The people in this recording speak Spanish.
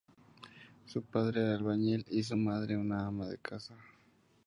Su padre era albañil y su madre ama de casa.